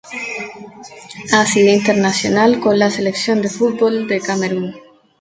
Ha sido internacional con la selección de fútbol de Camerún.